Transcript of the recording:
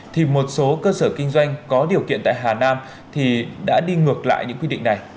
thì một số cơ sở kinh doanh có điều kiện tại hà nam thì đã đi ngược lại những quy định này